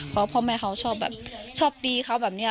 เพราะว่าพ่อแม่เขาชอบปีเขาแบบนี้